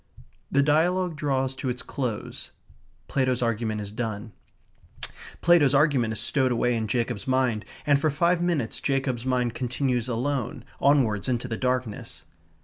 The dialogue draws to its close. Plato's argument is done. Plato's argument is stowed away in Jacob's mind, and for five minutes Jacob's mind continues alone, onwards, into the darkness.